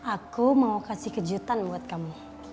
aku mau kasih kejutan buat kami